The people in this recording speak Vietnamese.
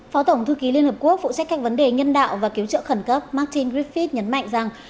phó tổng thư ký liên hợp quốc phụ trách các vấn đề nhân đạo và cứu trợ khẩn cấp martin griffith nhấn mạnh rằng